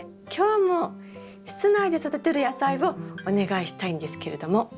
今日も室内で育てる野菜をお願いしたいんですけれども。